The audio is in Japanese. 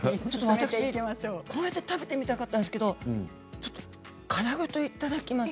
ちょっと私こうやって食べてみたかったんですけれども殻ごといただきます。